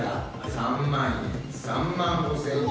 ３万５，０００円。